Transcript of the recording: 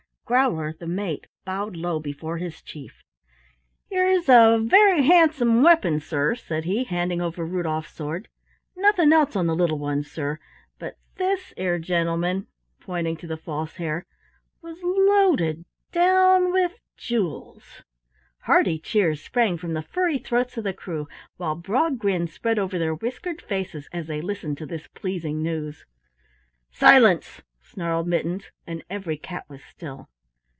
Growler, the mate, bowed low before his chief. "'Ere's a werry 'andsome weapon, sir," said he, handing over Rudolf's sword. "Nothing else on the little ones, sir, but this 'ere gentleman" pointing to the False Hare "was loaded down with jools." Hearty cheers sprang from the furry throats of the crew, while broad grins spread over their whiskered faces as they listened to this pleasing news. "Silence," snarled Mittens and every cat was still.